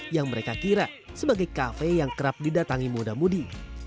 yang mereka kira sebagai kafe yang kerap didatangi muda mudi